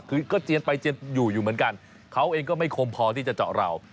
คือก็เจียนไปเจียนอยู่อยู่เหมือนกันเขาเองก็ไม่คมพอที่จะเจาะเรา